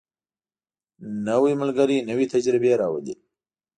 نوی ملګری نوې تجربې راولي